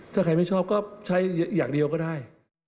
ถ้าใครไม่ชอบก็ใช้อย่างเดียวก็ได้